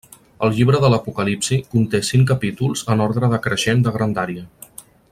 El llibre de l'Apocalipsi conté cinc capítols en ordre decreixent de grandària.